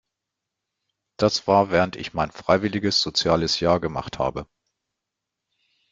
Das war während ich mein freiwilliges soziales Jahr gemacht habe.